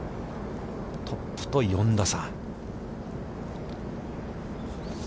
トップと４打差。